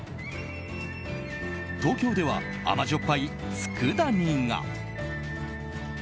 東京では甘じょっぱいつくだ煮が。